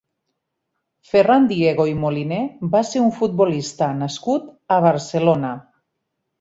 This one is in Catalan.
Ferran Diego i Moliner va ser un futbolista nascut a Barcelona.